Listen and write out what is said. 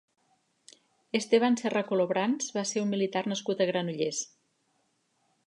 Esteban Serra Colobrans va ser un militar nascut a Granollers.